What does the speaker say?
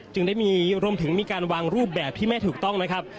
จึงได้มีรวมถึงมีการวางรูปแบบที่ไม่ถูกต้องนะครับ